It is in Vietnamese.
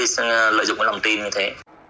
cái lợi dụng của lòng tin như thế